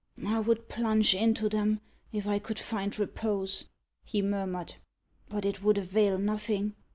"I would plunge into them, if I could find repose," he murmured. "But it would avail nothing.